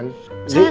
ini udah pelan